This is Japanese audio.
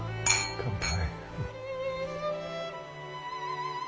乾杯。